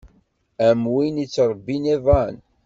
Am win ittṛebbin iḍan.